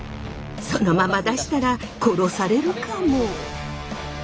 そのまま出したら殺されるかも。